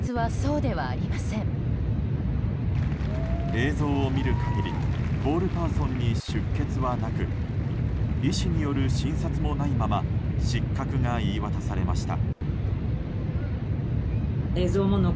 映像を見る限りボールパーソンに出血はなく医師による診察もないまま失格が言い渡されました。